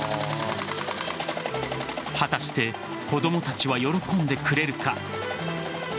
果たして子供たちは喜んでくれるか。